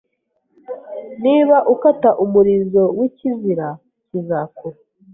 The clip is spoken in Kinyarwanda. Niba ukata umurizo wikizira, kizakura.